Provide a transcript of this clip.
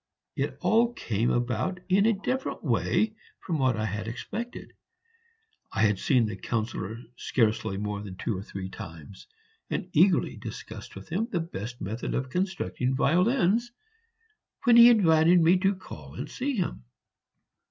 It all came about in a different way from what I had expected; I had seen the Councillor scarcely more than two or three times, and eagerly discussed with him the best method of constructing violins, when he invited me to call and see him.